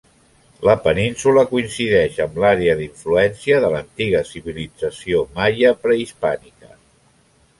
La península coincideix amb l'àrea d'influència de l'antiga civilització maia prehispànica.